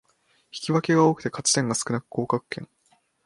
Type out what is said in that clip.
引き分け多くて勝ち点少なく降格圏